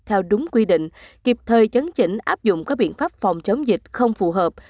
theo đúng quy định kịp thời chấn chỉnh áp dụng các biện pháp phòng chống dịch không phù hợp